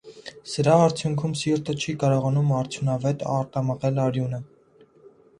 Սրա արդյունքում սիրտը չի կարողանում արդյունավետ արտամղել արյունը։